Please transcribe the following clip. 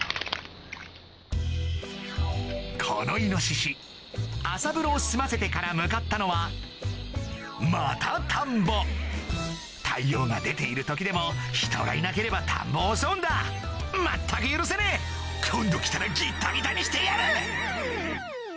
このイノシシ朝風呂を済ませてから向かったのはまた田んぼ太陽が出ている時でも人がいなければ田んぼを襲うんだ全く許せねえ今度来たらギッタギタにしてやる！